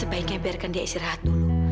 sebaiknya biarkan dia istirahat dulu